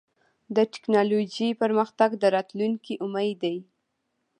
د ټکنالوجۍ پرمختګ د راتلونکي امید دی.